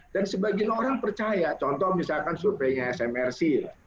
dan sebagian orang percaya contoh misalkan surveinya smrc